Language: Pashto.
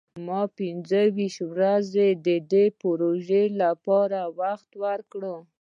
ما پنځه ویشت ورځې د دې پروژې لپاره وخت ورکړ.